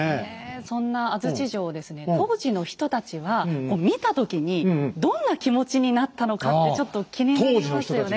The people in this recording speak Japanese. そんな安土城をですね当時の人たちは見た時にどんな気持ちになったのかってちょっと気になりますよね。